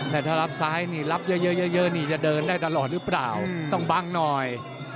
แต่ถ้ารับซ้ายนี่รับเยอะนี่จะเดินได้ตลอดหรือเปล่าต้องบังหน่อย